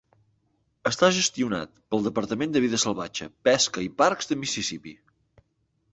Està gestionat pel Departament de Vida Salvatge, Pesca i Parcs de Mississippi.